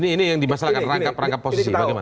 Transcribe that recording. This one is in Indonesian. ini yang dimasalahkan rangkap rangkap posisi bagaimana